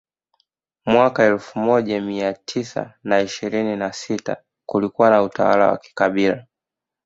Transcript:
Mwaka elfu moja mia tisa na ishirini na sita kulikuwa na utawala wa kikabila